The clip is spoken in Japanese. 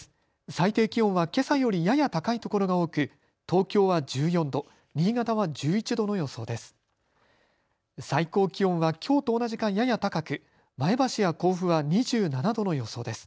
最低気温はけさよりやや高いところが多く東京は１４度、新潟は１１度の予想です。